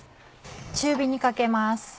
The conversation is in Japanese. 中火にかけます。